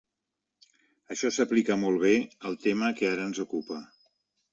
Això s'aplica molt bé al tema que ara ens ocupa.